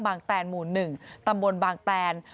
แตนหมู่๑ตำบลบางแตน